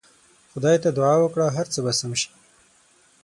خدای ته دعا وکړه هر څه به سم سي.